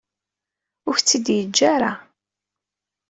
Ur ak-t-id-yeǧǧa ara.